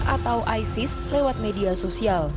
atau isis lewat media sosial